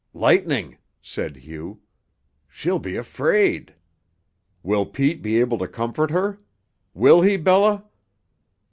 "Lightning!" said Hugh. "She'll be afraid! Will Pete be able to comfort her? Will he, Bella?"